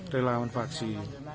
relah mencari vaksin